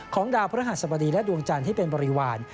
ดาวพระหัสบดีและดวงจันทร์ให้เป็นบริวาร